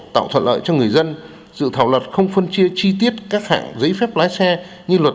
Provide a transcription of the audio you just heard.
tạo thuận lợi cho người dân dự thảo luật không phân chia chi tiết các hạng giấy phép lái xe như luật